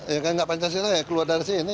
ya kan enggak pancasila keluar dari sini